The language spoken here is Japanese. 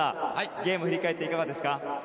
ゲーム振り返っていかがですか？